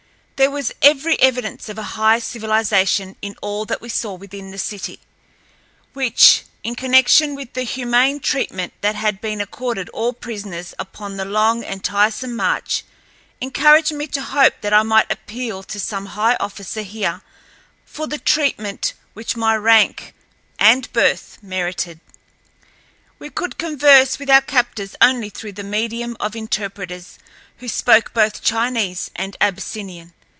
There was every evidence of a high civilization in all that we saw within the city, which, in connection with the humane treatment that had been accorded all prisoners upon the long and tiresome march, encouraged me to hope that I might appeal to some high officer here for the treatment which my rank and birth merited. We could converse with our captors only through the medium of interpreters who spoke both Chinese and Abyssinian.